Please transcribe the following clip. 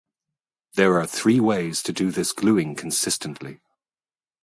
There are three ways to do this gluing consistently.